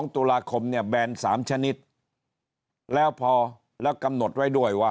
ตุลาคมเนี่ยแบน๓ชนิดแล้วพอแล้วกำหนดไว้ด้วยว่า